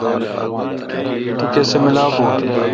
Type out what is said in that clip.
تو کسہ ملاپ بھو ۔